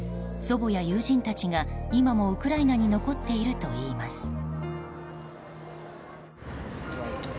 祖母や友人たちが今もウクライナに残っているといいます。